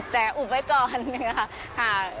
แต่อุบไว้ก่อนนะคะ